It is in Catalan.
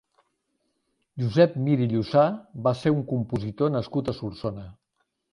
Josep Mir i Llussà va ser un compositor nascut a Solsona.